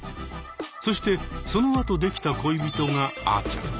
そしてそのあとできた恋人があーちゃん。